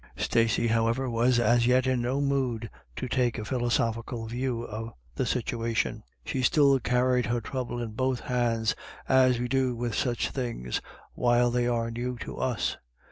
Stacey, however, was as yet in no mood to take a philosophical view of the situation. She still BETWEEN TWO LADY DA YS. aai carried her trouble in both hands, as we do with such things while they are new to us.